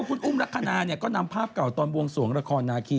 คุณอุ้มลักษณะก็นำภาพเก่าตอนบวงสวงละครนาคี